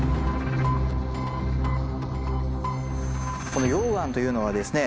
この溶岩というのはですね